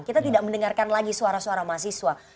kita tidak mendengarkan lagi suara suara mahasiswa